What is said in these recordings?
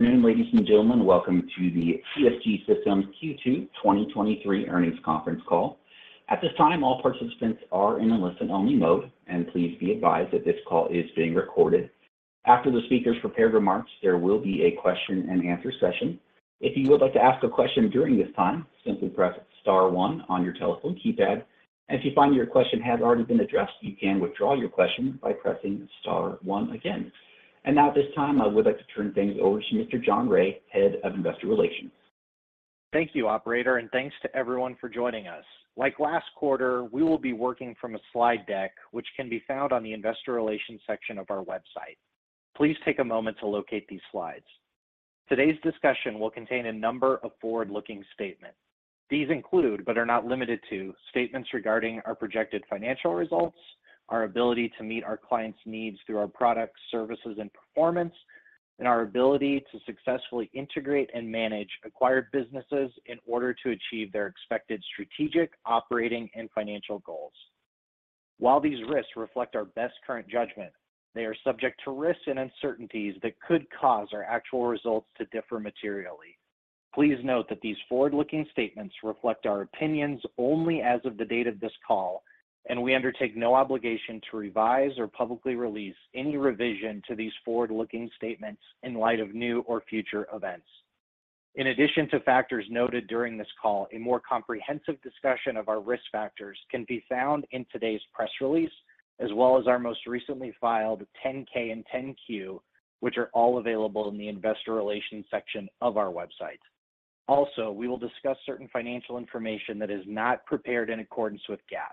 Good evening, ladies and gentlemen. Welcome to the CSG Systems Q2 2023 Earnings Conference Call. At this time, all participants are in a listen-only mode, and please be advised that this call is being recorded. After the speakers' prepared remarks, there will be a question and answer session. If you would like to ask a question during this time, simply press star one on your telephone keypad. If you find your question has already been addressed, you can withdraw your question by pressing star one again. Now, at this time, I would like to turn things over to Mr. John Rea, Head of Investor Relations. Thank you, operator, and thanks to everyone for joining us. Like last quarter, we will be working from a slide deck, which can be found on the Investor Relations section of our website. Please take a moment to locate these slides. Today's discussion will contain a number of forward-looking statements. These include, but are not limited to, statements regarding our projected financial results, our ability to meet our clients' needs through our products, services, and performance, and our ability to successfully integrate and manage acquired businesses in order to achieve their expected strategic, operating, and financial goals. While these risks reflect our best current judgment, they are subject to risks and uncertainties that could cause our actual results to differ materially. Please note that these forward-looking statements reflect our opinions only as of the date of this call, and we undertake no obligation to revise or publicly release any revision to these forward-looking statements in light of new or future events. In addition to factors noted during this call, a more comprehensive discussion of our risk factors can be found in today's press release, as well as our most recently filed 10-K and 10-Q, which are all available in the Investor Relations section of our website. We will discuss certain financial information that is not prepared in accordance with GAAP.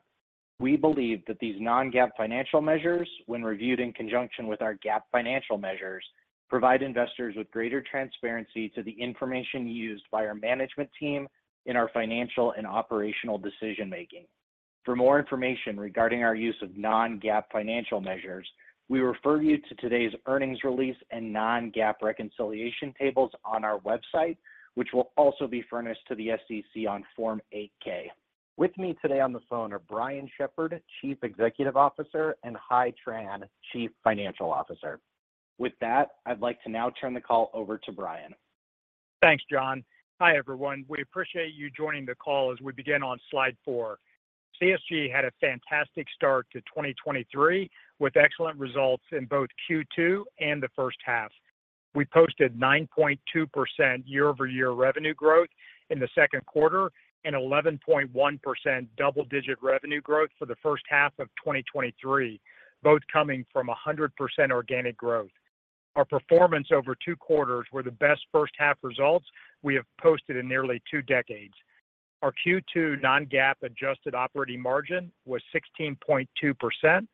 We believe that these non-GAAP financial measures, when reviewed in conjunction with our GAAP financial measures, provide investors with greater transparency to the information used by our management team in our financial and operational decision-making. For more information regarding our use of non-GAAP financial measures, we refer you to today's earnings release and non-GAAP reconciliation tables on our website, which will also be furnished to the SEC on Form 8-K. With me today on the phone are Brian Shepherd, Chief Executive Officer, and Hai Tran, Chief Financial Officer. With that, I'd like to now turn the call over to Brian. Thanks, John. Hi, everyone. We appreciate you joining the call as we begin on slide 4. CSG had a fantastic start to 2023, with excellent results in both Q2 and the first half. We posted 9.2% year-over-year revenue growth in the second quarter and 11.1% double-digit revenue growth for the first half of 2023, both coming from 100% organic growth. Our performance over two quarters were the best first half results we have posted in nearly two decades. Our Q2 non-GAAP adjusted operating margin was 16.2%,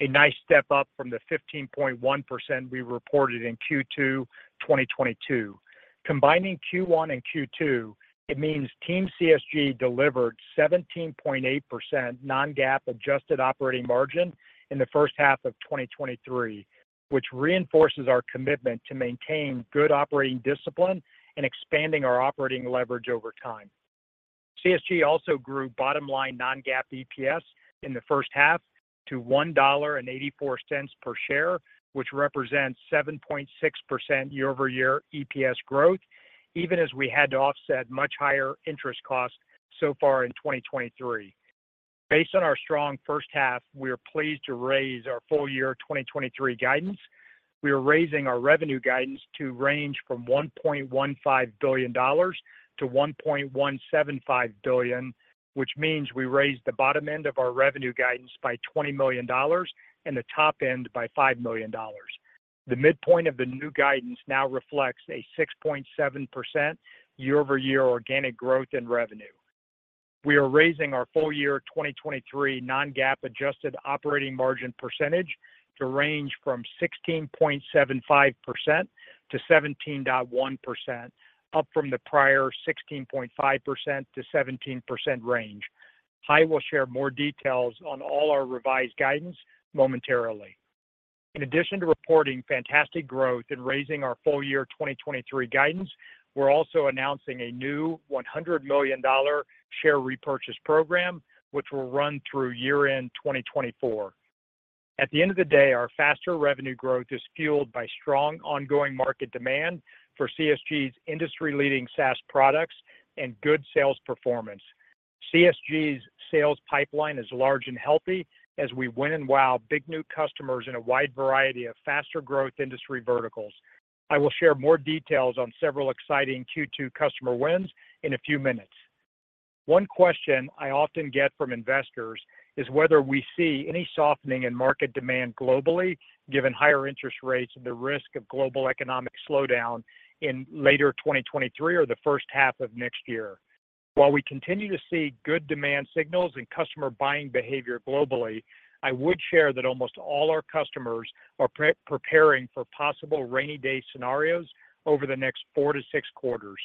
a nice step up from the 15.1% we reported in Q2 2022. Combining Q1 and Q2, it means Team CSG delivered 17.8% non-GAAP adjusted operating margin in the first half of 2023, which reinforces our commitment to maintain good operating discipline and expanding our operating leverage over time. CSG also grew bottom line non-GAAP EPS in the first half to $1.84 per share, which represents 7.6% year-over-year EPS growth, even as we had to offset much higher interest costs so far in 2023. Based on our strong first half, we are pleased to raise our full-year 2023 guidance. We are raising our revenue guidance to range from $1.15 billion-$1.175 billion, which means we raised the bottom end of our revenue guidance by $20 million and the top end by $5 million. The midpoint of the new guidance now reflects a 6.7% year-over-year organic growth in revenue. We are raising our full-year 2023 non-GAAP adjusted operating margin percentage to range from 16.75%-17.1%, up from the prior 16.5%-17% range. Hai will share more details on all our revised guidance momentarily. In addition to reporting fantastic growth in raising our full-year 2023 guidance, we're also announcing a new $100 million share repurchase program, which will run through year-end 2024. At the end of the day, our faster revenue growth is fueled by strong ongoing market demand for CSG's industry-leading SaaS products and good sales performance. CSG's sales pipeline is large and healthy as we win and wow big new customers in a wide variety of faster growth industry verticals. I will share more details on several exciting Q2 customer wins in a few minutes. One question I often get from investors is whether we see any softening in market demand globally, given higher interest rates and the risk of global economic slowdown in later 2023 or the first half of next year. While we continue to see good demand signals and customer buying behavior globally, I would share that almost all our customers are pre-preparing for possible rainy day scenarios over the next 4-6 quarters.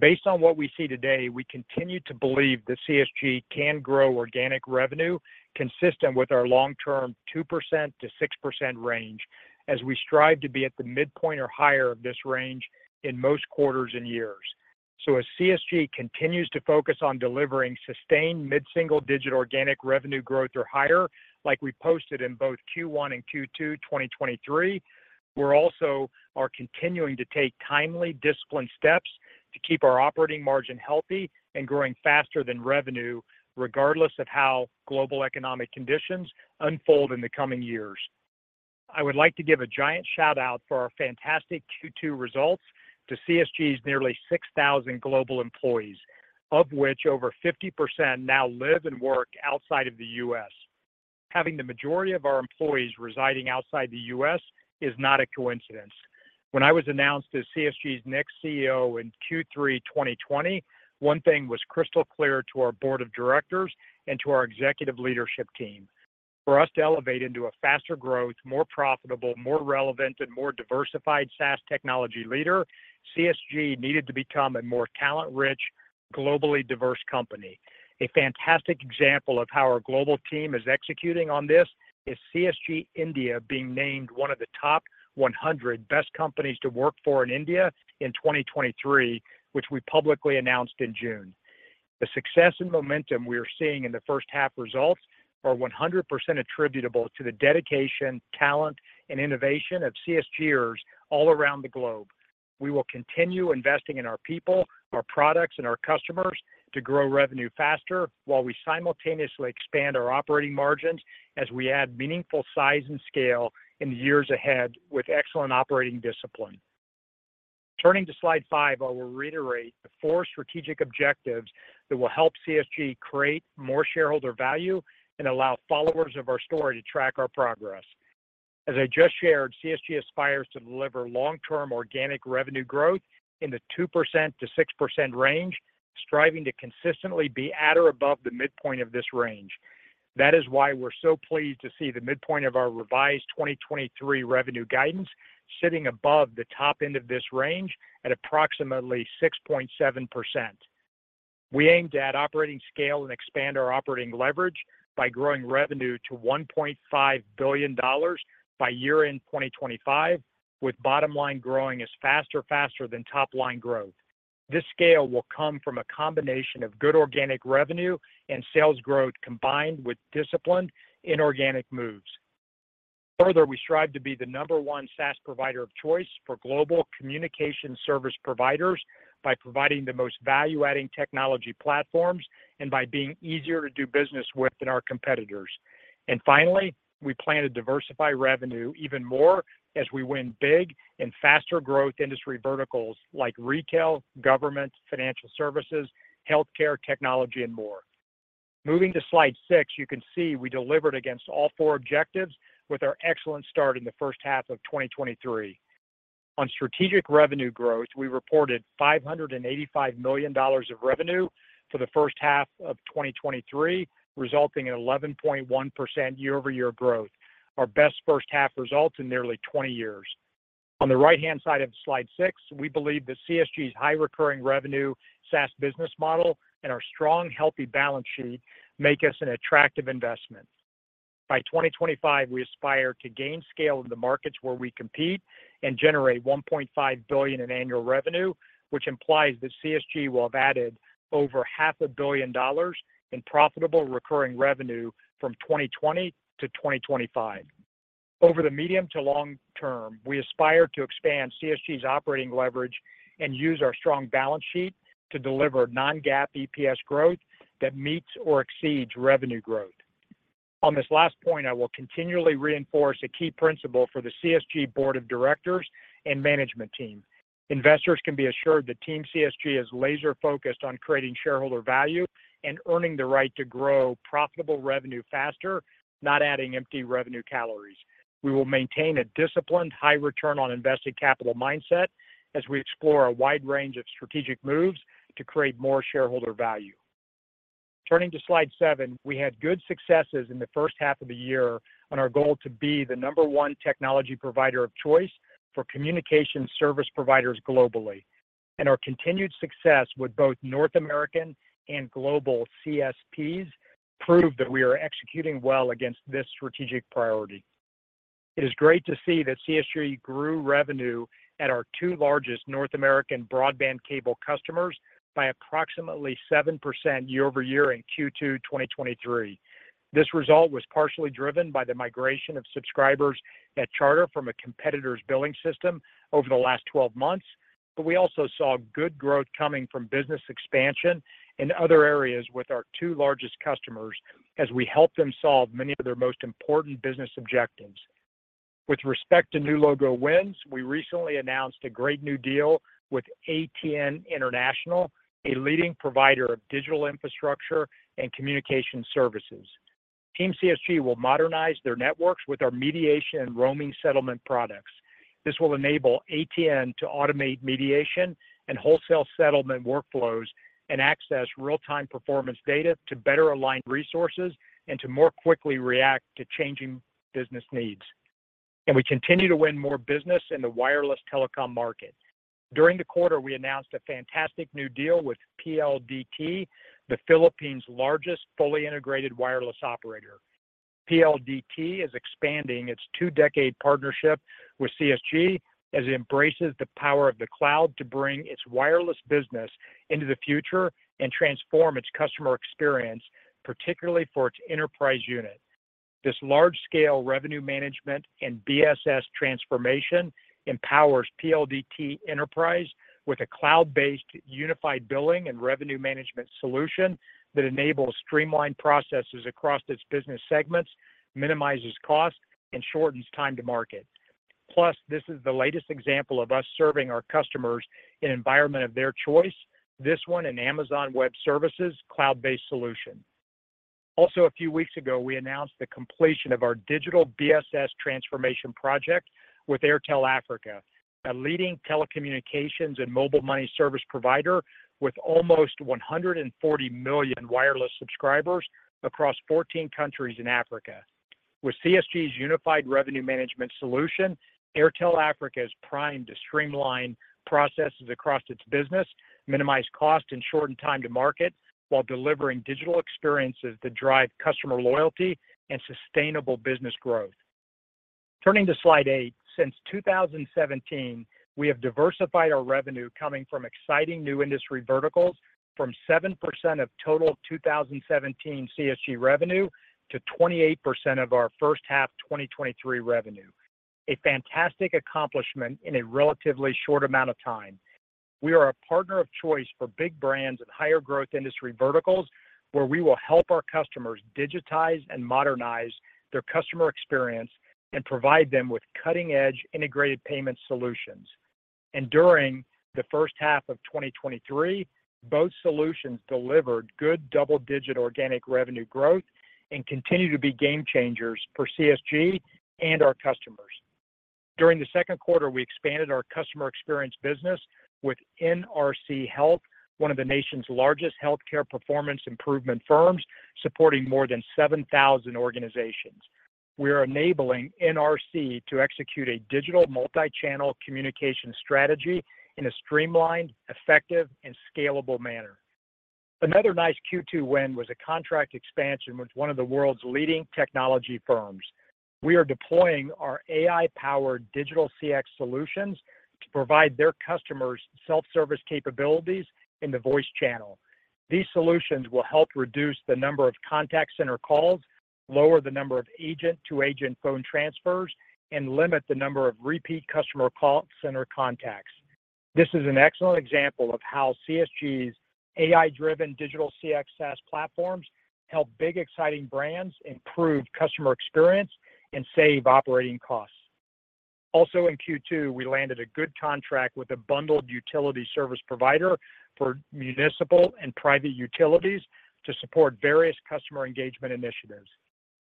Based on what we see today, we continue to believe that CSG can grow organic revenue consistent with our long-term 2%-6% range as we strive to be at the midpoint or higher of this range in most quarters and years.... As CSG continues to focus on delivering sustained mid-single-digit organic revenue growth or higher, like we posted in both Q1 and Q2 2023, we're also are continuing to take timely, disciplined steps to keep our operating margin healthy and growing faster than revenue, regardless of how global economic conditions unfold in the coming years. I would like to give a giant shout-out for our fantastic Q2 results to CSG's nearly 6,000 global employees, of which over 50% now live and work outside of the U.S. Having the majority of our employees residing outside the U.S. is not a coincidence. When I was announced as CSG's next CEO in Q3 2020, one thing was crystal clear to our board of directors and to our executive leadership team: for us to elevate into a faster growth, more profitable, more relevant, and more diversified SaaS technology leader, CSG needed to become a more talent-rich, globally diverse company. A fantastic example of how our global team is executing on this is CSG India being named one of the top 100 India's Best Companies to Work For 2023, which we publicly announced in June. The success and momentum we are seeing in the first half results are 100% attributable to the dedication, talent, and innovation of CSGers all around the globe. We will continue investing in our people, our products, and our customers to grow revenue faster while we simultaneously expand our operating margins as we add meaningful size and scale in the years ahead with excellent operating discipline. Turning to slide 5, I will reiterate the four strategic objectives that will help CSG create more shareholder value and allow followers of our story to track our progress. As I just shared, CSG aspires to deliver long-term organic revenue growth in the 2%-6% range, striving to consistently be at or above the midpoint of this range. That is why we're so pleased to see the midpoint of our revised 2023 revenue guidance sitting above the top end of this range at approximately 6.7%. We aim to add operating scale and expand our operating leverage by growing revenue to $1.5 billion by year-end 2025, with bottom line growing as faster than top-line growth. This scale will come from a combination of good organic revenue and sales growth, combined with disciplined inorganic moves. Further, we strive to be the number one SaaS provider of choice for global communication service providers by providing the most value-adding technology platforms and by being easier to do business with than our competitors. Finally, we plan to diversify revenue even more as we win big in faster-growth industry verticals like retail, government, financial services, healthcare, technology, and more. Moving to slide six, you can see we delivered against all four objectives with our excellent start in the first half of 2023. On strategic revenue growth, we reported $585 million of revenue for the first half of 2023, resulting in 11.1% year-over-year growth, our best first half results in nearly 20 years. On the right-hand side of slide 6, we believe that CSG's high-recurring revenue SaaS business model and our strong, healthy balance sheet make us an attractive investment. By 2025, we aspire to gain scale in the markets where we compete and generate $1.5 billion in annual revenue, which implies that CSG will have added over $500 million in profitable recurring revenue from 2020 to 2025. Over the medium to long term, we aspire to expand CSG's operating leverage and use our strong balance sheet to deliver non-GAAP EPS growth that meets or exceeds revenue growth. On this last point, I will continually reinforce a key principle for the CSG board of directors and management team. Investors can be assured that Team CSG is laser-focused on creating shareholder value and earning the right to grow profitable revenue faster, not adding empty revenue calories. We will maintain a disciplined, high return on invested capital mindset as we explore a wide range of strategic moves to create more shareholder value. Turning to slide 7, we had good successes in the first half of the year on our goal to be the number 1 technology provider of choice for communication service providers globally. Our continued success with both North American and global CSPs prove that we are executing well against this strategic priority. It is great to see that CSG grew revenue at our two largest North American broadband cable customers by approximately 7% year-over-year in Q2 2023. This result was partially driven by the migration of subscribers at Charter from a competitor's billing system over the last 12 months. We also saw good growth coming from business expansion in other areas with our two largest customers as we help them solve many of their most important business objectives. With respect to new logo wins, we recently announced a great new deal with ATN International, a leading provider of digital infrastructure and communication services. Team CSG will modernize their networks with our mediation and roaming settlement products. This will enable ATN to automate mediation and wholesale settlement workflows and access real-time performance data to better align resources and to more quickly react to changing business needs. We continue to win more business in the wireless telecom market. During the quarter, we announced a fantastic new deal with PLDT, the Philippines' largest fully integrated wireless operator. PLDT is expanding its two-decade partnership with CSG as it embraces the power of the cloud to bring its wireless business into the future and transform its customer experience, particularly for its PLDT Enterprise unit. This large-scale revenue management and BSS transformation empowers PLDT Enterprise with a cloud-based unified billing and revenue management solution that enables streamlined processes across its business segments, minimizes costs, and shortens time to market. This is the latest example of us serving our customers in an environment of their choice, this one in Amazon Web Services cloud-based solution. A few weeks ago, we announced the completion of our digital BSS transformation project with Airtel Africa, a leading telecommunications and mobile money service provider with almost 140 million wireless subscribers across 14 countries in Africa. With CSG's unified revenue management solution, Airtel Africa is primed to streamline processes across its business, minimize cost, and shorten time to market, while delivering digital experiences that drive customer loyalty and sustainable business growth. Turning to slide 8, since 2017, we have diversified our revenue coming from exciting new industry verticals from 7% of total 2017 CSG revenue to 28% of our first half 2023 revenue. A fantastic accomplishment in a relatively short amount of time. We are a partner of choice for big brands and higher growth industry verticals, where we will help our customers digitize and modernize their customer experience and provide them with cutting-edge integrated payment solutions. During the first half of 2023, both solutions delivered good double-digit organic revenue growth and continue to be game changers for CSG and our customers. During the second quarter, we expanded our customer experience business with NRC Health, one of the nation's largest healthcare performance improvement firms, supporting more than 7,000 organizations. We are enabling NRC to execute a digital multi-channel communication strategy in a streamlined, effective, and scalable manner. Another nice Q2 win was a contract expansion with one of the world's leading technology firms. We are deploying our AI-powered digital CX solutions to provide their customers self-service capabilities in the voice channel. These solutions will help reduce the number of contact center calls, lower the number of agent-to-agent phone transfers, and limit the number of repeat customer call center contacts. This is an excellent example of how CSG's AI-driven digital CX platforms help big, exciting brands improve customer experience and save operating costs. Also in Q2, we landed a good contract with a bundled utility service provider for municipal and private utilities to support various customer engagement initiatives.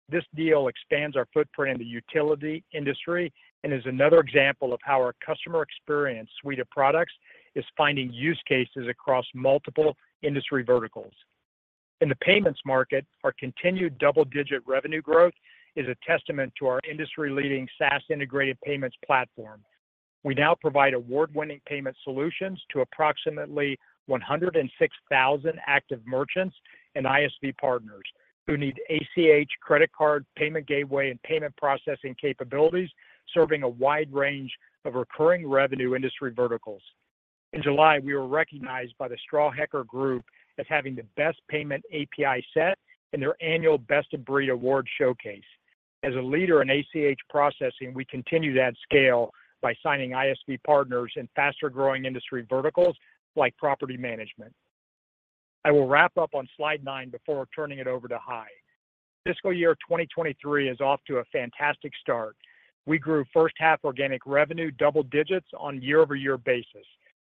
This deal expands our footprint in the utility industry and is another example of how our customer experience suite of products is finding use cases across multiple industry verticals. In the payments market, our continued double-digit revenue growth is a testament to our industry-leading SaaS integrated payments platform. We now provide award-winning payment solutions to approximately 106,000 active merchants and ISV partners who need ACH, credit card, payment gateway, and payment processing capabilities, serving a wide range of recurring revenue industry verticals. In July, we were recognized by The Strawhecker Group as having the best payment API set in their annual Best of Breed Award showcase. As a leader in ACH processing, we continue to add scale by signing ISV partners in faster-growing industry verticals like property management. I will wrap up on slide nine before turning it over to Hai. Fiscal year 2023 is off to a fantastic start. We grew first half organic revenue double digits on a year-over-year basis.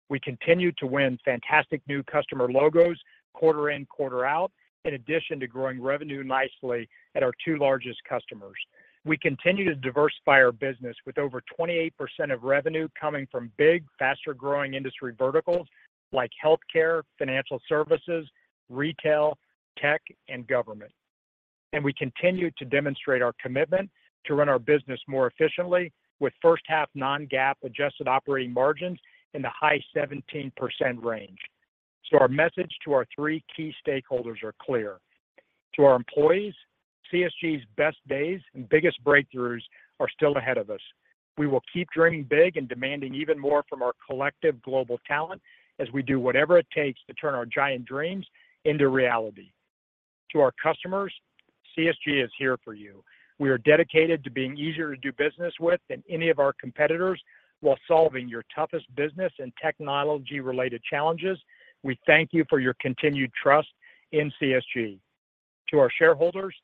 We continued to win fantastic new customer logos quarter in, quarter out, in addition to growing revenue nicely at our two largest customers. We continue to diversify our business with over 28% of revenue coming from big, faster-growing industry verticals like healthcare, financial services, retail, tech, and government. We continue to demonstrate our commitment to run our business more efficiently with first half non-GAAP adjusted operating margins in the high 17% range. Our message to our three key stakeholders are clear: To our employees, CSG's best days and biggest breakthroughs are still ahead of us. We will keep dreaming big and demanding even more from our collective global talent as we do whatever it takes to turn our giant dreams into reality. To our customers, CSG is here for you. We are dedicated to being easier to do business with than any of our competitors, while solving your toughest business and technology-related challenges. We thank you for your continued trust in CSG. To our shareholders,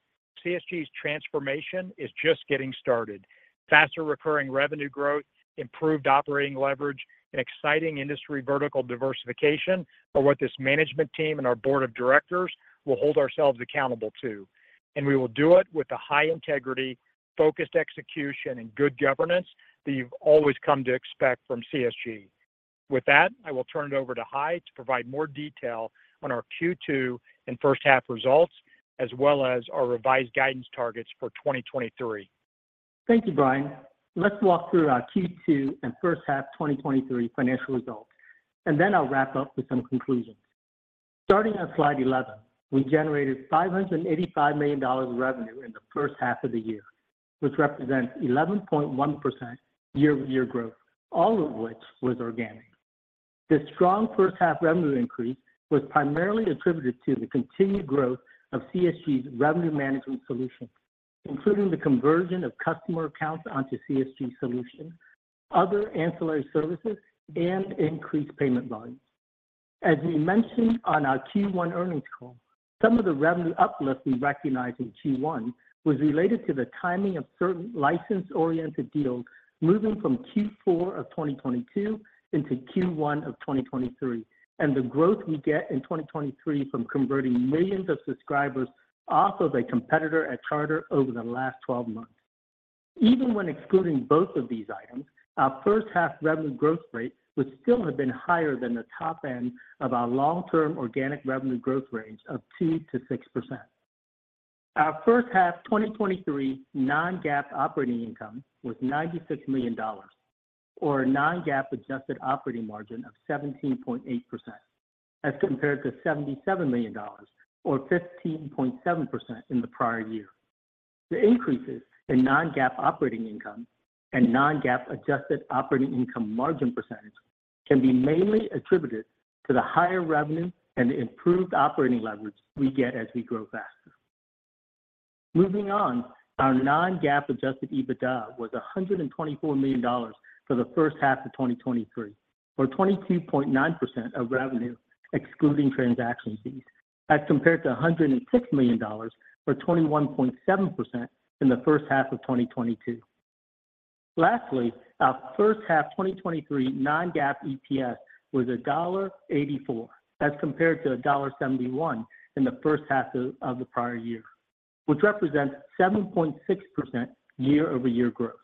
CSG's transformation is just getting started. Faster recurring revenue growth, improved operating leverage, and exciting industry vertical diversification are what this management team and our board of directors will hold ourselves accountable to, and we will do it with the high integrity, focused execution, and good governance that you've always come to expect from CSG. With that, I will turn it over to Hai to provide more detail on our Q2 and first half results, as well as our revised guidance targets for 2023. Thank you, Brian. Let's walk through our Q2 and first half 2023 financial results, then I'll wrap up with some conclusions. Starting on slide 11, we generated $585 million of revenue in the first half of the year, which represents 11.1% year-over-year growth, all of which was organic. This strong first half revenue increase was primarily attributed to the continued growth of CSG's revenue management solutions, including the conversion of customer accounts onto CSG solutions, other ancillary services, and increased payment volume. As we mentioned on our Q1 earnings call, some of the revenue uplift we recognized in Q1 was related to the timing of certain license-oriented deals moving from Q4 of 2022 into Q1 of 2023, and the growth we get in 2023 from converting millions of subscribers off of a competitor at Charter over the last 12 months. Even when excluding both of these items, our first half revenue growth rate would still have been higher than the top end of our long-term organic revenue growth range of 2%-6%. Our first half 2023 non-GAAP operating income was $96 million, or a non-GAAP adjusted operating margin of 17.8%, as compared to $77 million or 15.7% in the prior year. The increases in non-GAAP operating income and non-GAAP adjusted operating income margin percentage can be mainly attributed to the higher revenue and improved operating leverage we get as we grow faster. Moving on, our non-GAAP adjusted EBITDA was $124 million for the first half 2023, or 22.9% of revenue, excluding transaction fees, as compared to $106 million, or 21.7% in the first half 2022. Lastly, our first half 2023 non-GAAP EPS was $1.84, as compared to $1.71 in the first half of the prior year, which represents 7.6% year-over-year growth.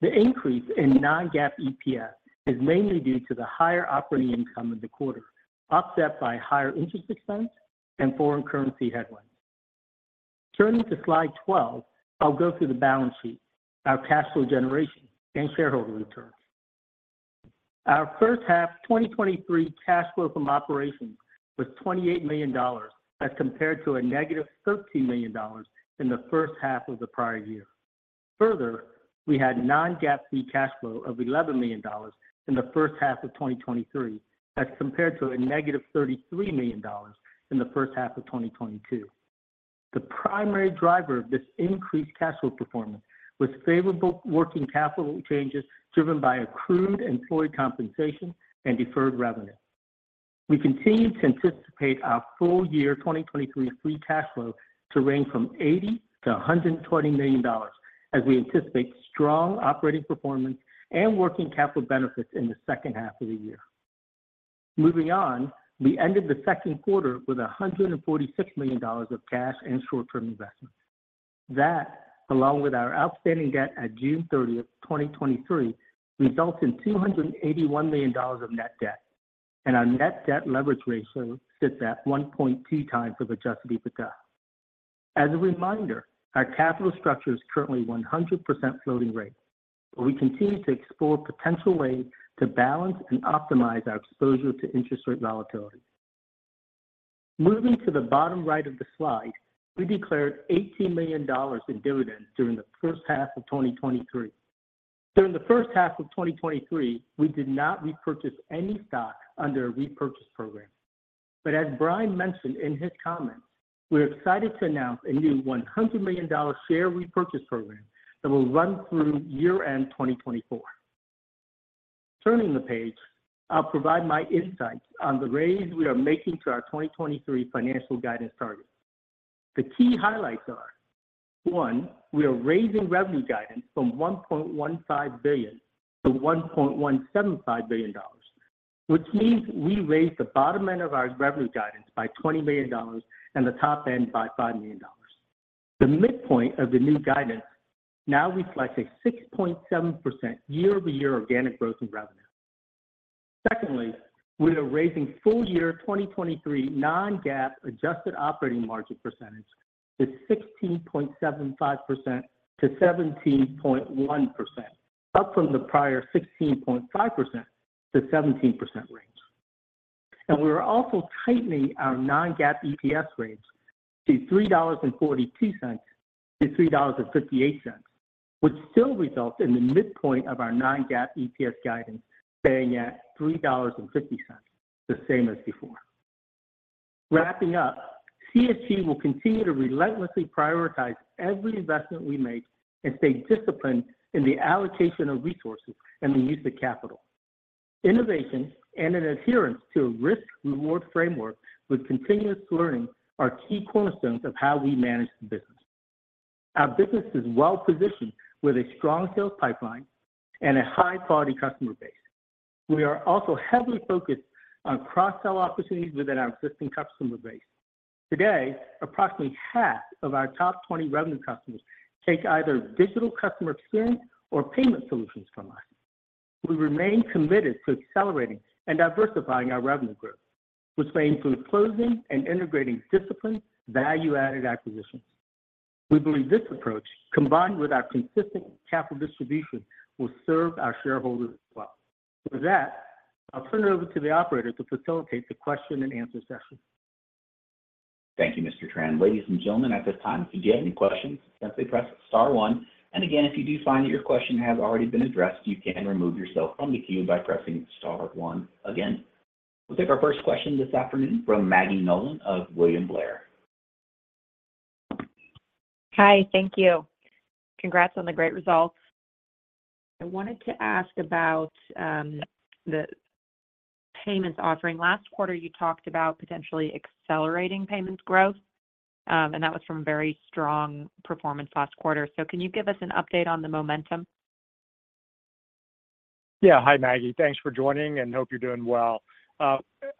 The increase in non-GAAP EPS is mainly due to the higher operating income in the quarter, offset by higher interest expense and foreign currency headwinds. Turning to slide 12, I'll go through the balance sheet, our cash flow generation, and shareholder returns. Our first half 2023 cash flow from operations was $28 million, as compared to a negative $13 million in the first half of the prior year. We had non-GAAP free cash flow of $11 million in the first half of 2023, as compared to a negative $33 million in the first half of 2022. The primary driver of this increased cash flow performance was favorable working capital changes, driven by accrued employee compensation and deferred revenue. We continue to anticipate our full year 2023 free cash flow to range from $80 million-$120 million, as we anticipate strong operating performance and working capital benefits in the second half of the year. We ended the second quarter with $146 million of cash and short-term investments. That, along with our outstanding debt at June 30, 2023, results in $281 million of net debt, and our net debt leverage ratio sits at 1.2x adjusted EBITDA. As a reminder, our capital structure is currently 100% floating rate, but we continue to explore potential ways to balance and optimize our exposure to interest rate volatility. Moving to the bottom right of the slide, we declared $18 million in dividends during the first half of 2023. During the first half of 2023, we did not repurchase any stock under a repurchase program. As Brian mentioned in his comments, we're excited to announce a new $100 million share repurchase program that will run through year-end 2024. Turning the page, I'll provide my insights on the raise we are making to our 2023 financial guidance targets. The key highlights are, one, we are raising revenue guidance from $1.15 billion-$1.175 billion, which means we raised the bottom end of our revenue guidance by $20 million and the top end by $5 million. The midpoint of the new guidance now reflects a 6.7% year-over-year organic growth in revenue. Secondly, we are raising full-year 2023 non-GAAP adjusted operating margin percentage to 16.75%-17.1%, up from the prior 16.5%-17% range. We are also tightening our non-GAAP EPS range to $3.42-$3.58, which still results in the midpoint of our non-GAAP EPS guidance staying at $3.50, the same as before. Wrapping up, CSG will continue to relentlessly prioritize every investment we make and stay disciplined in the allocation of resources and the use of capital. Innovation and an adherence to a risk/reward framework with continuous learning are key cornerstones of how we manage the business. Our business is well positioned with a strong sales pipeline and a high-quality customer base. We are also heavily focused on cross-sell opportunities within our existing customer base. Today, approximately half of our top 20 revenue customers take either digital customer experience or payment solutions from us. We remain committed to accelerating and diversifying our revenue growth, which may include closing and integrating disciplined value-added acquisitions.... We believe this approach, combined with our consistent capital distribution, will serve our shareholders well. With that, I'll turn it over to the operator to facilitate the question and answer session. Thank you, Mr. Tran. Ladies and gentlemen, at this time, if you do have any questions, simply press star one. Again, if you do find that your question has already been addressed, you can remove yourself from the queue by pressing star one again. We'll take our first question this afternoon from Maggie Nolan of William Blair. Hi, thank you. Congrats on the great results. I wanted to ask about the payments offering. Last quarter, you talked about potentially accelerating payments growth, and that was from a very strong performance last quarter. Can you give us an update on the momentum? Yeah. Hi, Maggie. Thanks for joining, and hope you're doing well.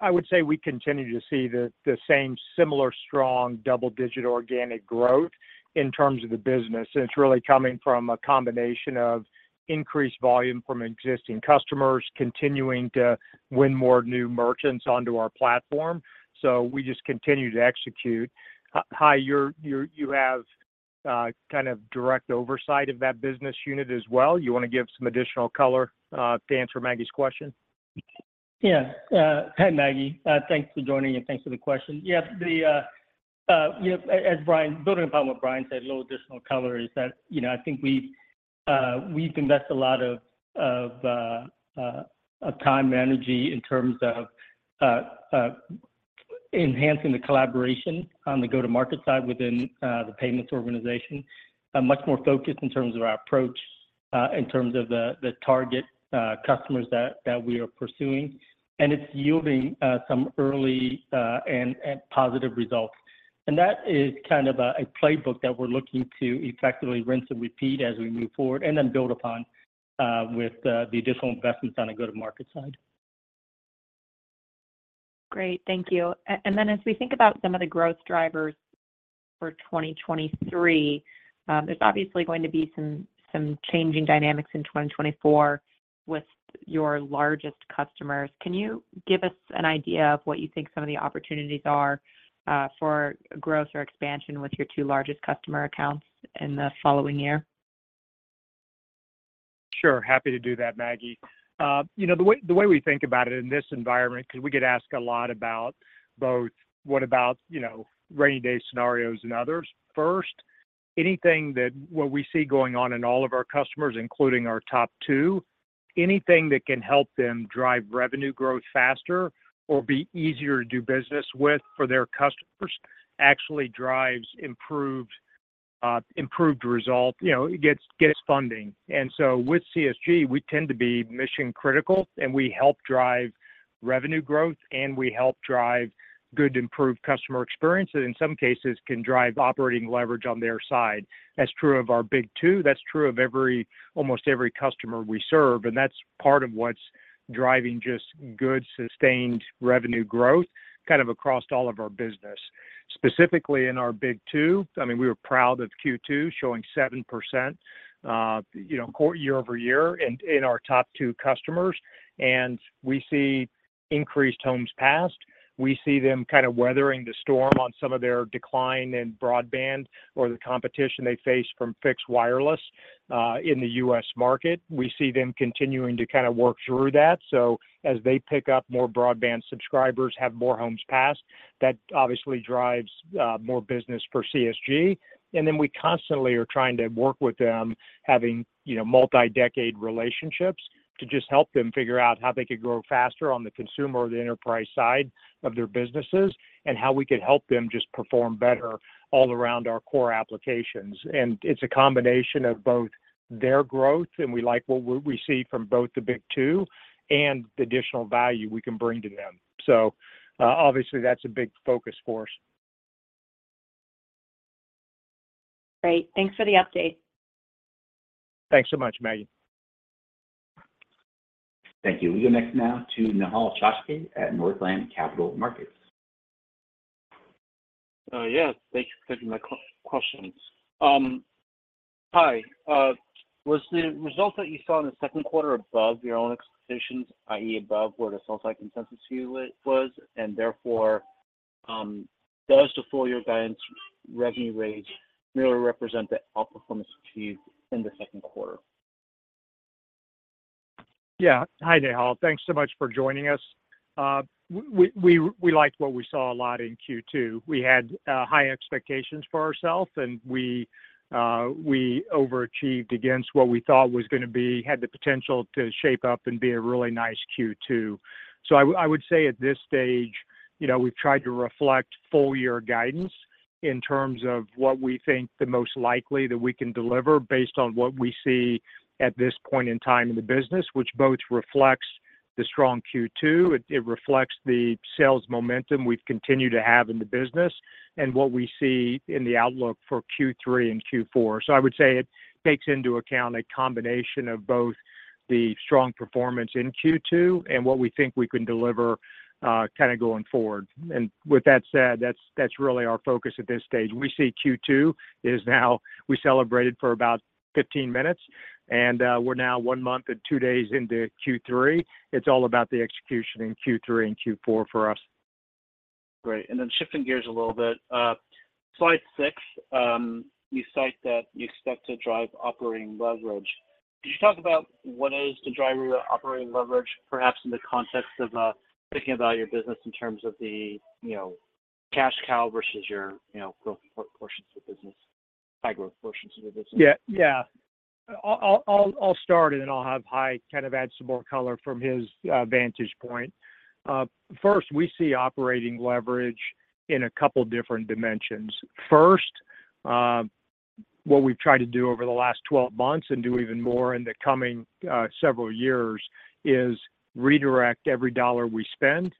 I would say we continue to see the, the same similar strong double-digit organic growth in terms of the business. It's really coming from a combination of increased volume from existing customers continuing to win more new merchants onto our platform. So we just continue to execute. Hai, you're, you have, kind of direct oversight of that business unit as well. You wanna give some additional color, to answer Maggie's question? Yeah. Hi, Maggie. Thanks for joining and thanks for the question. Yeah, the, yep, as Brian building upon what Brian said, a little additional color is that, you know, I think we've, we've invested a lot of, of, of time and energy in terms of, enhancing the collaboration on the go-to-market side within the payments organization. Much more focused in terms of our approach, in terms of the, the target, customers that, that we are pursuing. It's yielding, some early, and, and positive results. That is kind of a, a playbook that we're looking to effectively rinse and repeat as we move forward, and then build upon, with, the additional investments on the go-to-market side. Great. Thank you. Then as we think about some of the growth drivers for 2023, there's obviously going to be some, some changing dynamics in 2024 with your largest customers. Can you give us an idea of what you think some of the opportunities are for growth or expansion with your two largest customer accounts in the following year? Sure. Happy to do that, Maggie. You know, the way, the way we think about it in this environment, 'cause we get asked a lot about both, what about, you know, rainy day scenarios and others. First, what we see going on in all of our customers, including our top two, anything that can help them drive revenue growth faster or be easier to do business with for their customers, actually drives improved results. You know, it gets funding. With CSG, we tend to be mission-critical, and we help drive revenue growth, and we help drive good, improved customer experience, and in some cases, can drive operating leverage on their side. That's true of our big two. That's true of almost every customer we serve, that's part of what's driving just good, sustained revenue growth kind of across all of our business. Specifically, in our big two, I mean, we were proud of Q2 showing 7%, you know, quarter year-over-year in, in our top two customers. We see increased homes passed. We see them kind of weathering the storm on some of their decline in broadband or the competition they face from fixed wireless in the U.S. market. We see them continuing to kind of work through that. As they pick up more broadband subscribers, have more homes passed, that obviously drives more business for CSG. Then we constantly are trying to work with them, having, you know, multi-decade relationships to just help them figure out how they could grow faster on the consumer or the enterprise side of their businesses, and how we could help them just perform better all around our core applications. It's a combination of both their growth, and we like what we see from both the big two, and the additional value we can bring to them. Obviously, that's a big focus for us. Great. Thanks for the update. Thanks so much, Maggie. Thank you. We go next now to Nehal Chokshi at Northland Capital Markets. Yeah. Thanks for taking my questions. Hi. Was the results that you saw in the second quarter above your own expectations, i.e., above what the sell-side consensus view was, and therefore, does the full-year guidance revenue range really represent the outperformance achieved in the second quarter? Yeah. Hi, Nehal. Thanks so much for joining us. we, we, we liked what we saw a lot in Q2. We had high expectations for ourselves, and we overachieved against what we thought had the potential to shape up and be a really nice Q2. I, I would say at this stage, you know, we've tried to reflect full-year guidance in terms of what we think the most likely that we can deliver based on what we see at this point in time in the business, which both reflects the strong Q2, it, it reflects the sales momentum we've continued to have in the business and what we see in the outlook for Q3 and Q4. I would say it takes into account a combination of both the strong performance in Q2 and what we think we can deliver, kinda going forward. With that said, that's really our focus at this stage. We celebrated for about 15 minutes, and we're now one month and two days into Q3. It's all about the execution in Q3 and Q4 for us. Great, then shifting gears a little bit, slide six, you cite that you expect to drive operating leverage. Could you talk about what is the driver of your operating leverage, perhaps in the context of thinking about your business in terms of the, you know, cash cow versus your, you know, growth portions of the business, high-growth portions of the business? Yeah, yeah. I'll start, and then I'll have Hai kind of add some more color from his vantage point. First, we see operating leverage in a couple different dimensions. First, what we've tried to do over the last 12 months and do even more in the coming several years, is redirect every dollar we spend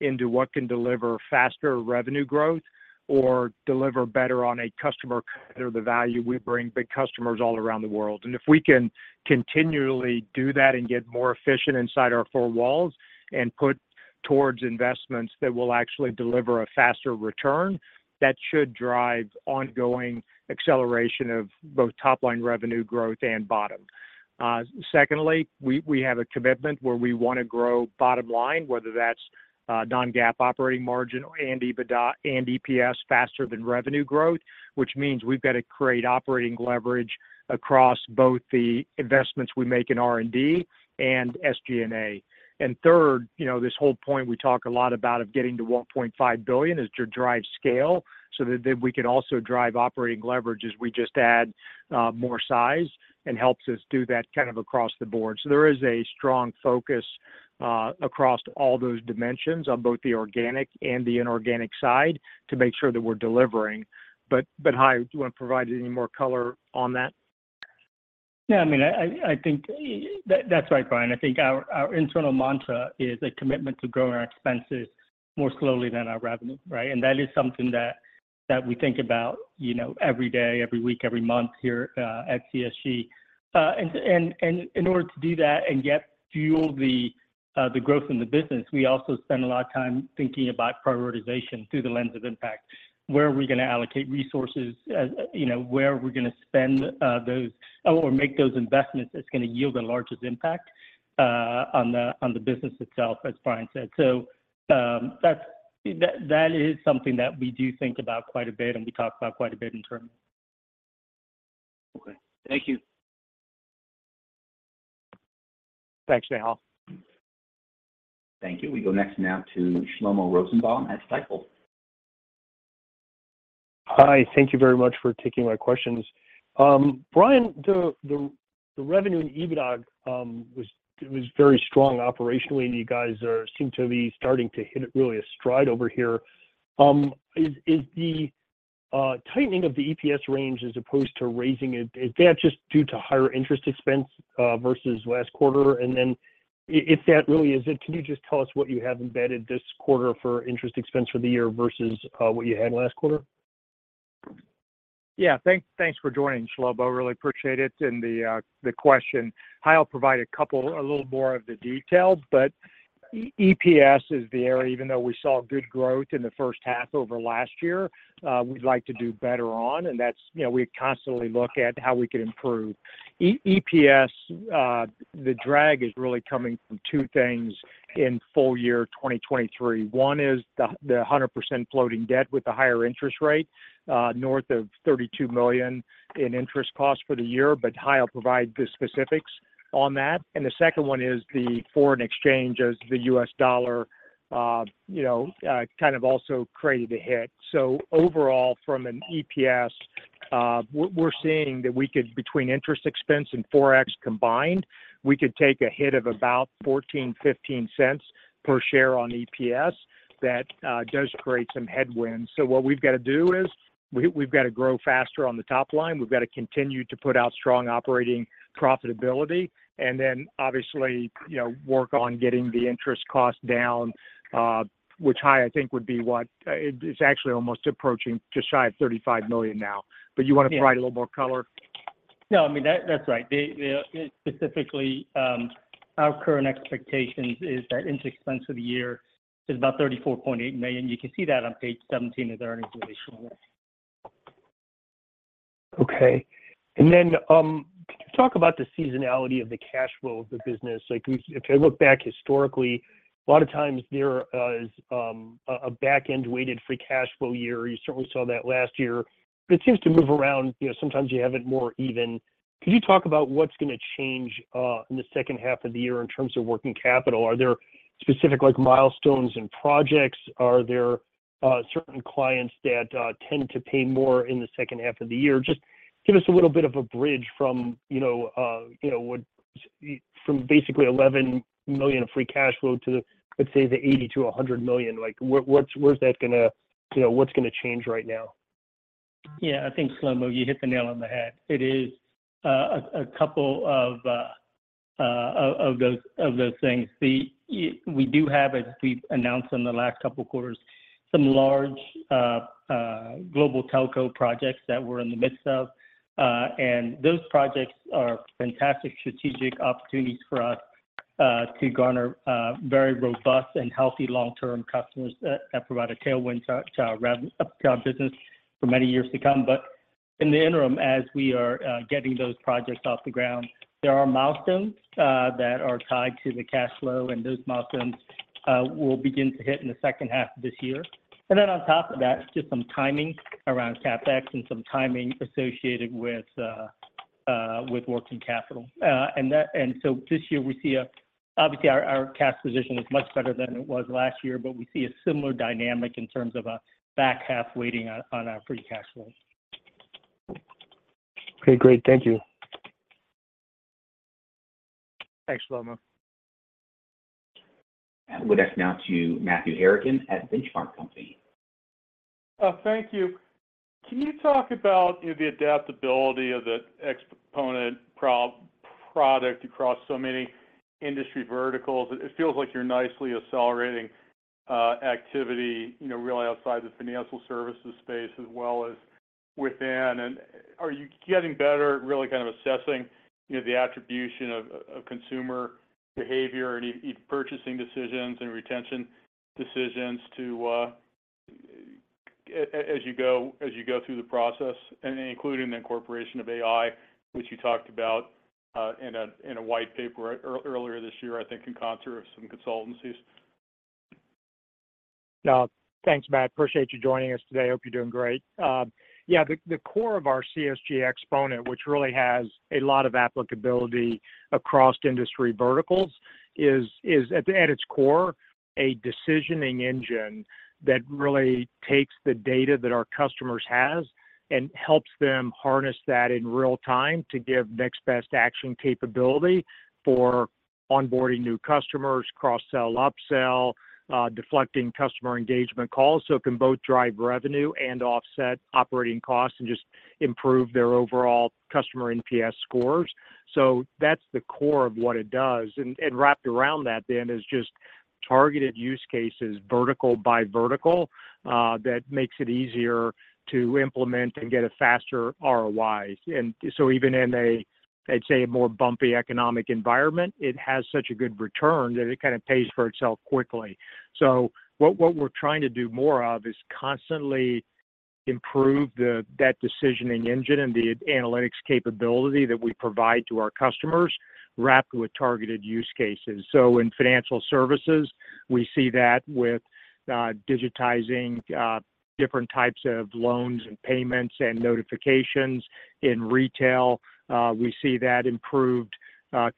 into what can deliver faster revenue growth or deliver better on a customer, the value we bring big customers all around the world. If we can continually do that and get more efficient inside our four walls and put towards investments that will actually deliver a faster return, that should drive ongoing acceleration of both top-line revenue growth and bottom. Secondly, we, we have a commitment where we wanna grow bottom line, whether that's non-GAAP operating margin or and EBITDA and EPS faster than revenue growth, which means we've got to create operating leverage across both the investments we make in R&D and SG&A. Third, you know, this whole point we talk a lot about of getting to 1.5 billion is to drive scale, that then we can also drive operating leverage as we just add more size and helps us do that kind of across the board. There is a strong focus across all those dimensions on both the organic and the inorganic side to make sure that we're delivering. Hai, do you want to provide any more color on that? Yeah, I mean, I think that's right, Brian. I think our, our internal mantra is a commitment to growing our expenses more slowly than our revenue, right? That is something that, that we think about, you know, every day, every week, every month here, at CSG. In order to do that and yet fuel the, the growth in the business, we also spend a lot of time thinking about prioritization through the lens of impact. Where are we gonna allocate resources? You know, where are we gonna spend those, or make those investments that's gonna yield the largest impact on the business itself, as Brian said. That's, that, that is something that we do think about quite a bit and we talk about quite a bit internally. Okay. Thank you. Thanks, Nehal. Thank you. We go next now to Shlomo Rosenbaum at Stifel. Hi, thank you very much for taking my questions. Brian, the, the, the revenue in EBITDA was, was very strong operationally, and you guys are, seem to be starting to hit really a stride over here. Is, is the tightening of the EPS range as opposed to raising it, is that just due to higher interest expense versus last quarter? If that really is it, can you just tell us what you have embedded this quarter for interest expense for the year versus what you had last quarter? Yeah, thanks for joining, Shlomo. Really appreciate it and the question. Hai will provide a couple, a little more of the details, EPS is the area, even though we saw good growth in the first half over last year, we'd like to do better on, that's, you know, we constantly look at how we could improve. EPS, the drag is really coming from two things in full-year 2023. One is the 100% floating debt with the higher interest rate, north of $32 million in interest costs for the year. Hai will provide the specifics on that. The second one is the foreign exchange as the U.S. dollar, you know, kind of also created a hit. Overall, from an EPS, we're seeing that we could, between interest expense and Forex combined, we could take a hit of about $0.14-$0.15 per share on EPS. That does create some headwinds. What we've got to do is we've got to grow faster on the top line. We've got to continue to put out strong operating profitability, and then obviously, you know, work on getting the interest cost down, which Hai, I think would be what? It's actually almost approaching just shy of $35 million now. You want to provide a little more color. No, I mean, that, that's right. The, the, specifically, our current expectations is that interest expense for the year is about $34.8 million. You can see that on page 17 of the earnings release, Shlomo. Okay. Could you talk about the seasonality of the cash flow of the business? Like, if you, if I look back historically, a lot of times there is a back-end-weighted free cash flow year. You certainly saw that last year, but it seems to move around. You know, sometimes you have it more even. Could you talk about what's gonna change in the second half of the year in terms of working capital? Are there specific, like, milestones and projects? Are there certain clients that tend to pay more in the second half of the year? Just give us a little bit of a bridge from, you know, what, from basically $11 million of free cash flow to, let's say, the $80 million-$100 million. Like, where, what's, where's that gonna... You know, what's gonna change right now? Yeah, I think, Shlomo, you hit the nail on the head. It is a couple of those things. We do have, as we've announced in the last couple of quarters, some large global telco projects that we're in the midst of. Those projects are fantastic strategic opportunities for us to garner very robust and healthy long-term customers that provide a tailwind to our business for many years to come. In the interim, as we are getting those projects off the ground, there are milestones that are tied to the cash flow, and those milestones will begin to hit in the second half of this year. Then on top of that, just some timing around CapEx and some timing associated with working capital. This year, we see obviously, our, our cash position is much better than it was last year, but we see a similar dynamic in terms of a back half weighting on, on our free cash flow. Okay, great. Thank you. Thanks, Shlomo We're next now to Matthew Harrigan at Benchmark Company. Thank you. Can you talk about, you know, the adaptability of the Xponent product across so many industry verticals? It, it feels like you're nicely accelerating, activity, you know, really outside the financial services space as well as within. Are you getting better at really kind of assessing, you know, the attribution of, of consumer behavior and purchasing decisions and retention decisions to, as you go, as you go through the process? Including the incorporation of AI, which you talked about, in a, in a white paper earlier this year, I think, in concert with some consultancies? Thanks, Matt. Appreciate you joining us today. Hope you're doing great. Yeah, the, the core of our CSG Xponent, which really has a lot of applicability across industry verticals, is, is at, at its core, a decisioning engine that really takes the data that our customers has and helps them harness that in real time to give next best action capability for onboarding new customers, cross-sell, upsell, deflecting customer engagement calls. It can both drive revenue and offset operating costs, and just improve their overall customer NPS scores. That's the core of what it does. Wrapped around that then, is just targeted use cases, vertical by vertical, that makes it easier to implement and get a faster ROI. Even in a, I'd say, a more bumpy economic environment, it has such a good return that it kind of pays for itself quickly. What, what we're trying to do more of is constantly improve that decisioning engine and the analytics capability that we provide to our customers, wrapped with targeted use cases. In financial services, we see that with, digitizing, different types of loans and payments and notifications. In retail, we see that improved,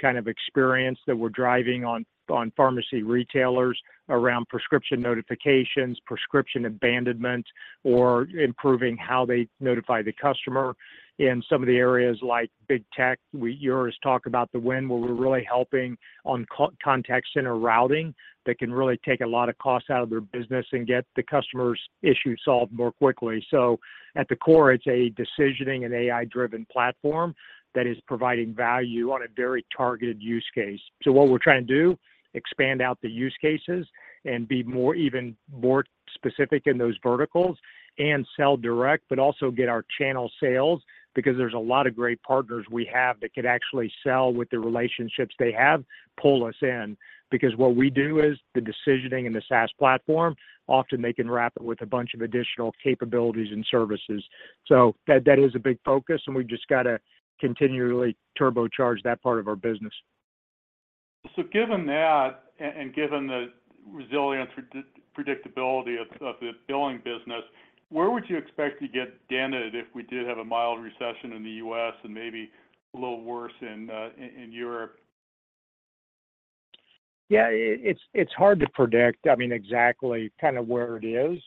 kind of experience that we're driving on, on pharmacy retailers around prescription notifications, prescription abandonment, or improving how they notify the customer. In some of the areas like big tech, You always talk about the win, where we're really helping on contact center routing, that can really take a lot of cost out of their business and get the customer's issue solved more quickly. At the core, it's a decisioning and AI-driven platform that is providing value on a very targeted use case. What we're trying to do, expand out the use cases and be more, even more specific in those verticals and sell direct, but also get our channel sales, because there's a lot of great partners we have that could actually sell with the relationships they have, pull us in. Because what we do is the decisioning and the SaaS platform. Often, they can wrap it with a bunch of additional capabilities and services. That, that is a big focus, and we've just got to continually turbocharge that part of our business. Given that, and given the resilience predictability of the billing business, where would you expect to get dented if we did have a mild recession in the U.S. and maybe a little worse in Europe? Yeah, it's hard to predict, I mean, exactly kind of where it is.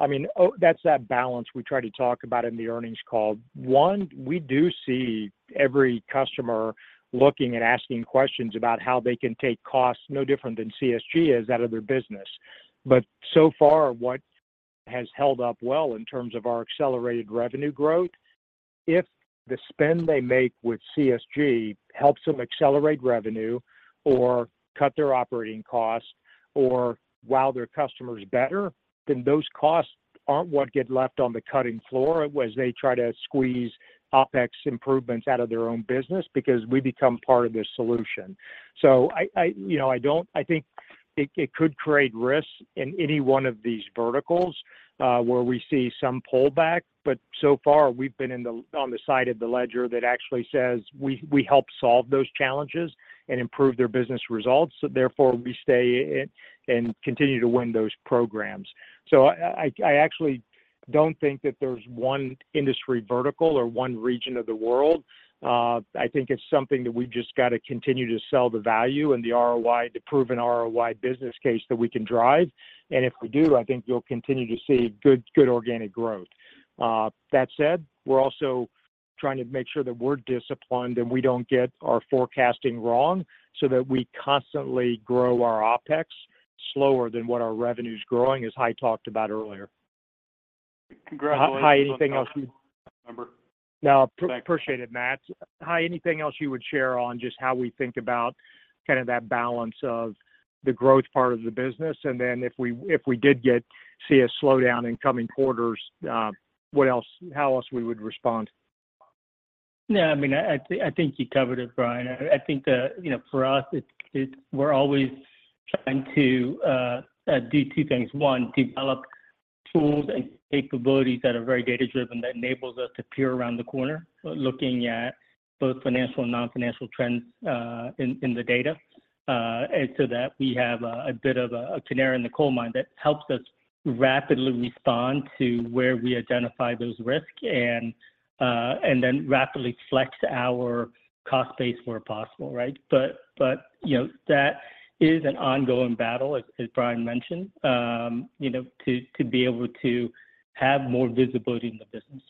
I mean, that's that balance we try to talk about in the earnings call. One, we do see every customer looking and asking questions about how they can take costs, no different than CSG is, out of their business. So far, what has held up well in terms of our accelerated revenue growth, if the spend they make with CSG helps them accelerate revenue or cut their operating costs or wow their customers better, then those costs aren't what get left on the cutting floor as they try to squeeze OpEx improvements out of their own business, because we become part of the solution. You know, I think it could create risks in any one of these verticals, where we see some pullback, but so far, we've been on the side of the ledger that actually says, we, we help solve those challenges and improve their business results, so therefore, we stay and continue to win those programs. I actually don't think that there's one industry vertical or one region of the world. I think it's something that we've just got to continue to sell the value and the ROI, the proven ROI business case that we can drive. If we do, I think you'll continue to see good, good organic growth. That said, we're also trying to make sure that we're disciplined, and we don't get our forecasting wrong, so that we constantly grow our OpEx slower than what our revenue's growing, as Hai talked about earlier. Congratulations. Hai, anything else you? November. No. Thanks. Appreciate it, Matt. Hai, anything else you would share on just how we think about kind of that balance of the growth part of the business, and then if we, if we did see a slowdown in coming quarters, how else we would respond? Yeah, I mean, I, I think you covered it, Brian. I, I think, you know, for us, it's, it's we're always trying to do two things. One, develop tools and capabilities that are very data-driven, that enables us to peer around the corner, looking at both financial and non-financial trends in the data. So that we have a bit of a canary in the coal mine that helps us rapidly respond to where we identify those risks, and then rapidly flex our cost base where possible, right? But, you know, that is an ongoing battle, as Brian mentioned, you know, to be able to have more visibility in the business.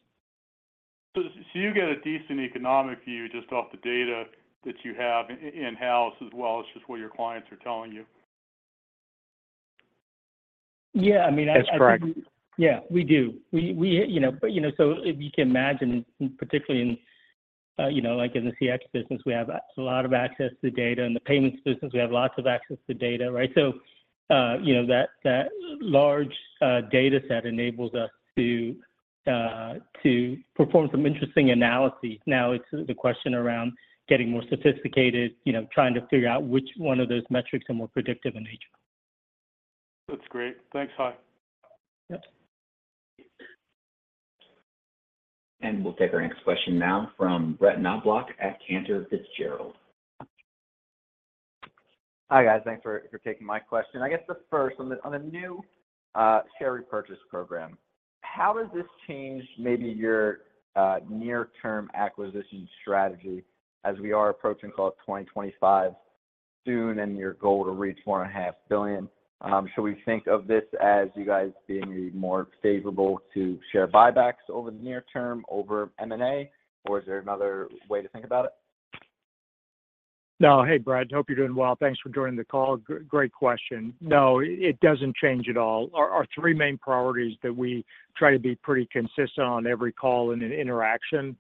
So you get a decent economic view just off the data that you have in-house, as well as just what your clients are telling you? Yeah. I mean, That's correct. Yeah, we do. You know, if you can imagine, particularly in, like in the CX business, we have a lot of access to data. The payments business, we have lots of access to data, right? You know, that, that large data set enables us to perform some interesting analyses. Now, it's the question around getting more sophisticated, you know, trying to figure out which one of those metrics are more predictive in nature. That's great. Thanks, Hai. Yep. We'll take our next question now from Brett Knobloch at Cantor Fitzgerald. Hi, guys. Thanks for, for taking my question. I guess the first, on the, on the new share repurchase program, how does this change maybe your near-term acquisition strategy as we are approaching call it 2025 soon, and your goal to reach $1.5 billion? Should we think of this as you guys being more favorable to share buybacks over the near term over M&A, or is there another way to think about it? No. Hey, Brett, hope you're doing well. Thanks for joining the call. Great question. No, it doesn't change at all. Our three main priorities that we try to be pretty consistent on every call and in interaction,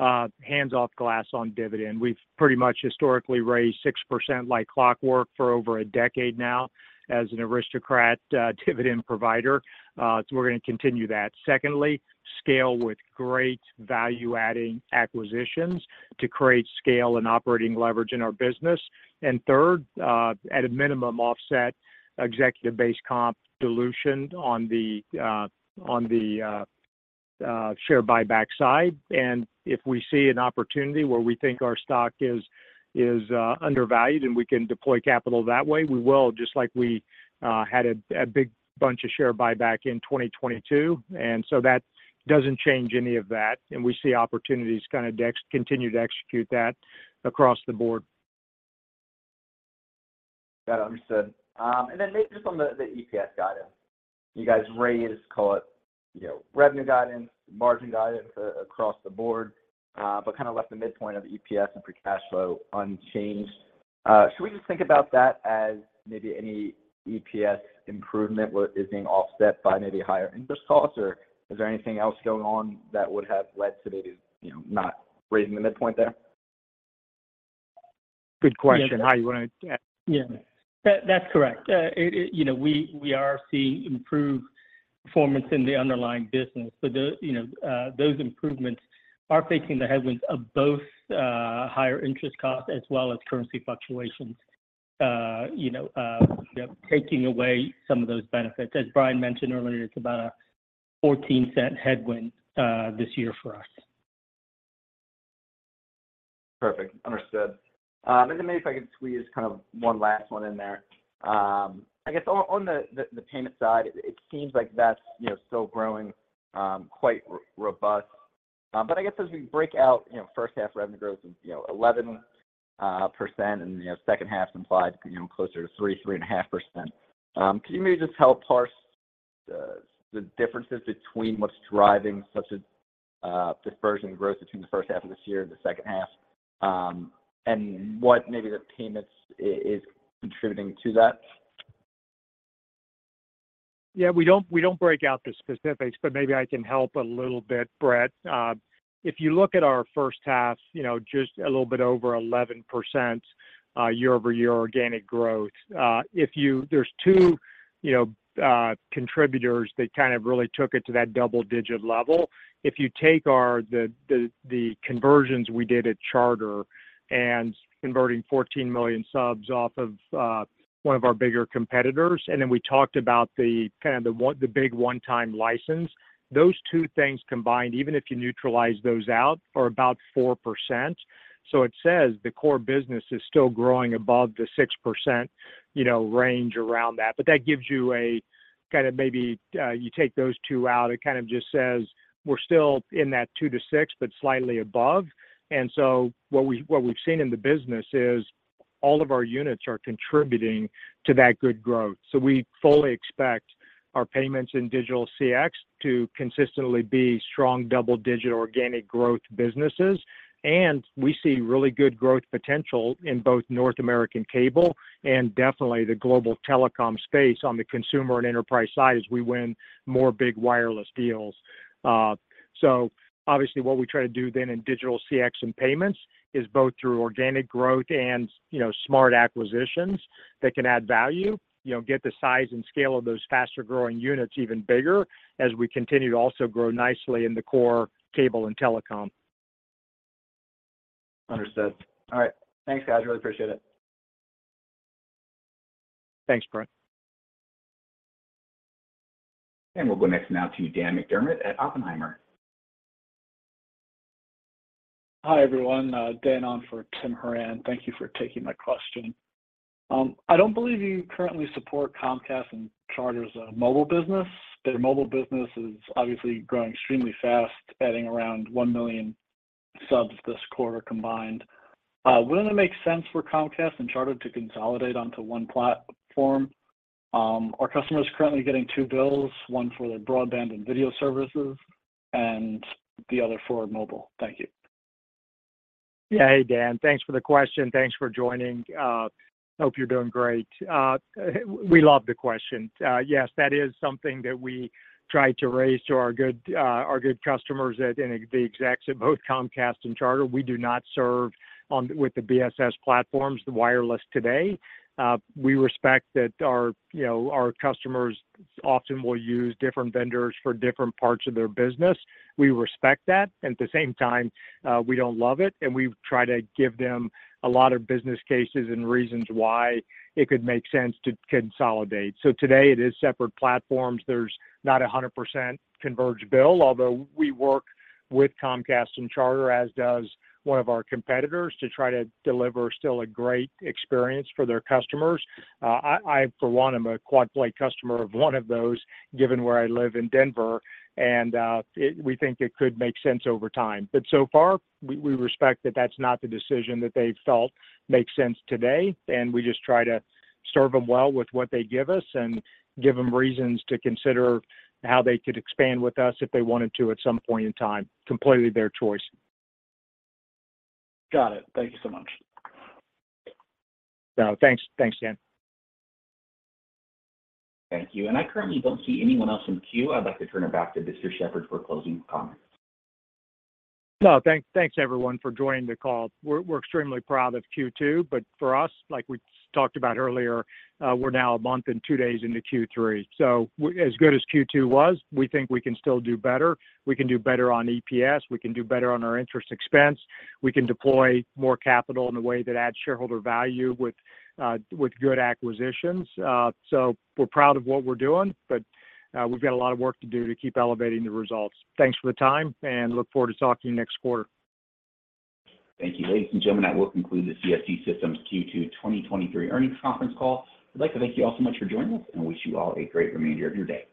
one, hands-off glass on dividend. We've pretty much historically raised 6% like clockwork for over a decade now as an aristocrat, dividend provider. We're gonna continue that. Secondly, scale with great value-adding acquisitions to create scale and operating leverage in our business. Third, at a minimum, offset executive-based comp dilution on the share buyback side. If we see an opportunity where we think our stock is undervalued, and we can deploy capital that way, we will, just like we had a big bunch of share buyback in 2022. So that doesn't change any of that, and we see opportunities kinda continue to execute that across the board. Got it, understood. Then maybe just on the EPS guidance. You guys raised, call it, you know, revenue guidance, margin guidance across the board, kinda left the midpoint of EPS and free cash flow unchanged. Should we just think about that as maybe any EPS improvement where is being offset by maybe higher interest costs, or is there anything else going on that would have led to maybe, you know, not raising the midpoint there? Good question. Hai, you want to add? Yeah. That, that's correct. it, you know, we, we are seeing improved performance in the underlying business, but the, you know, those improvements are facing the headwinds of both, higher interest costs as well as currency fluctuations. you know, taking away some of those benefits. As Brian mentioned earlier, it's about a $0.14 headwind this year for us. Perfect. Understood. Then maybe if I could squeeze kind of one last one in there. I guess on, on the, the, the payment side, it seems like that's, you know, still growing, quite robust. I guess as we break out, you know, first half revenue growth is, you know, 11% and, you know, second half implied, you know, closer to 3%-3.5%. Could you maybe just help parse the, the differences between what's driving such a dispersion growth between the first half of this year and the second half, and what maybe the payments is contributing to that? Yeah, we don't, we don't break out the specifics, but maybe I can help a little bit, Brett. If you look at our first half, you know, just a little bit over 11% year-over-year organic growth, there's two, you know, contributors that kind of really took it to that double-digit level. If you take our conversions we did at Charter and converting 14 million subs off of one of our bigger competitors, and then we talked about the kind of the big one-time license, those two things combined, even if you neutralize those out, are about 4%. It says the core business is still growing above the 6%, you know, range around that. That gives you a kinda maybe, you take those two out, it kind of just says, we're still in that 2-6, but slightly above. What we've seen in the business is all of our units are contributing to that good growth. We fully expect our payments in digital CX to consistently be strong, double-digit organic growth businesses, and we see really good growth potential in both North American cable and definitely the global telecom space on the consumer and enterprise side as we win more big wireless deals. Obviously, what we try to do then in digital CX and payments is both through organic growth and, you know, smart acquisitions that can add value, you know, get the size and scale of those faster-growing units even bigger as we continue to also grow nicely in the core cable and telecom. Understood. All right. Thanks, guys. Really appreciate it. Thanks, Brett. We'll go next now to Dan McDermott at Oppenheimer. Hi, everyone, Dan on for Tim Horan. Thank you for taking my question. I don't believe you currently support Comcast and Charter's mobile business. Their mobile business is obviously growing extremely fast, adding around 1 million subs this quarter combined. Wouldn't it make sense for Comcast and Charter to consolidate onto 1 platform? Are customers currently getting 2 bills, 1 for their broadband and video services and the other for mobile? Thank you. Yeah. Hey, Dan. Thanks for the question. Thanks for joining. Hope you're doing great. We love the question. Yes, that is something that we try to raise to our good, our good customers at and the execs at both Comcast and Charter. We do not serve on, with the BSS platforms, the wireless today. We respect that our, you know, our customers often will use different vendors for different parts of their business. We respect that, at the same time, we don't love it, and we try to give them a lot of business cases and reasons why it could make sense to consolidate. Today, it is separate platforms. There's not a 100% converged bill, although we work with Comcast and Charter, as does one of our competitors, to try to deliver still a great experience for their customers. I, for one, am a quad-play customer of one of those, given where I live in Denver, and we think it could make sense over time. So far, we, we respect that that's not the decision that they've felt makes sense today, and we just try to serve them well with what they give us and give them reasons to consider how they could expand with us if they wanted to at some point in time. Completely their choice. Got it. Thank you so much. No, thanks. Thanks, Dan. Thank you. I currently don't see anyone else in queue. I'd like to turn it back to Mr. Shepherd for closing comments. No, thank, thanks, everyone, for joining the call. We're, we're extremely proud of Q2, but for us, like we talked about earlier, we're now a month and two days into Q3. As good as Q2 was, we think we can still do better. We can do better on EPS, we can do better on our interest expense, we can deploy more capital in a way that adds shareholder value with good acquisitions. So we're proud of what we're doing, but we've got a lot of work to do to keep elevating the results. Thanks for the time, and look forward to talking to you next quarter. Thank you. Ladies and gentlemen, that will conclude the CSG Systems Q2 2023 earnings conference call. I'd like to thank you all so much for joining us and wish you all a great remainder of your day.